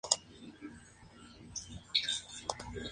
Cada especie tiene una edad donde el destete ocurre de forma natural.